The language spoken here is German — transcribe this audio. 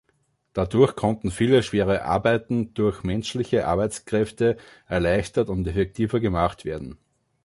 Dadurch konnten viele schwere Arbeiten durch menschliche Arbeitskräfte erleichtert und effektiver gemacht werden.